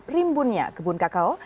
rimbunnya gebun kakao